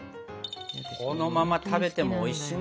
このまま食べてもおいしいんだよね